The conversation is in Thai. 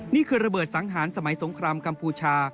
นี่คือระเบิดสังหารสมัยสงครามกัมพูชา